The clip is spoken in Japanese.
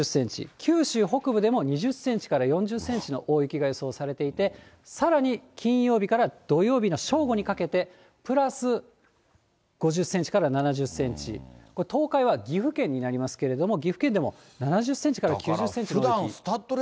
九州北部でも２０センチから４０センチの大雪が予想されていて、さらに金曜日から土曜日の正午にかけて、プラス５０センチから７０センチ、東海は岐阜県になりますけれども、ファミマ！